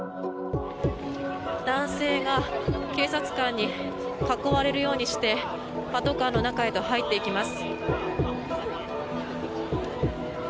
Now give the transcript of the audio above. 男性が警察官に囲われるようにしてパトカーの中へと入っていきます。